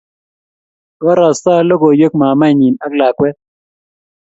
barastai logoywek mamaenyi ak lakwet